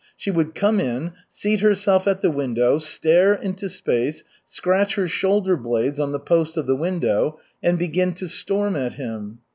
She would come in, seat herself at the window, stare into space, scratch her shoulder blades on the post of the window, and begin to storm at him.